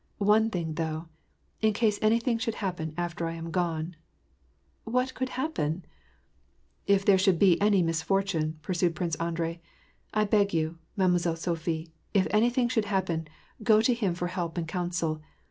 One thing, though : in case anything should happen^ after I am gone "—" What could happen ?"" If there should be any misfortune," pursued Prince Andrei, " I beg you, Mademoiselle Sophie, if anything should happen, go to him for help and counsel.